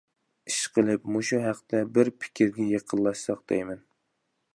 ئىشقىلىپ مۇشۇ ھەقتە بىر پىكىرگە يېقىنلاشساق دەيمەن.